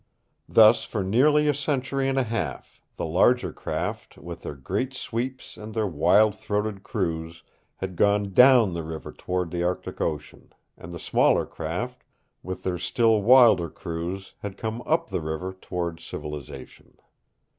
Thus for nearly a century and a half the larger craft, with their great sweeps and their wild throated crews, had gone DOWN the river toward the Arctic Ocean, and the smaller craft, with their still wilder crews, had come UP the river toward civilization.